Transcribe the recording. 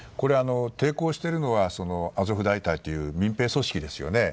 抵抗しているのはアゾフ大隊という民兵組織ですよね。